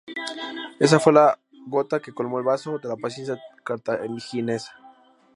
Esa fue la gota que colmó el vaso de la paciencia cartaginesa.